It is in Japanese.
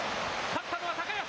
勝ったのは高安。